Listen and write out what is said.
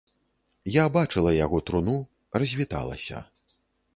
Я бачыла яго труну, развіталася.